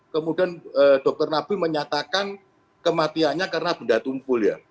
kemudian dokter nabil menyatakan kematiannya karena benda tumpul ya